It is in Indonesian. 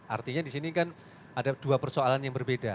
artinya di sini kan ada dua persoalan yang berbeda